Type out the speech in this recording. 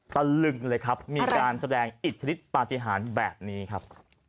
ตะลึงเลยครับมีการแสดงอิทธิฤทธิปฏิหารแบบนี้ครับ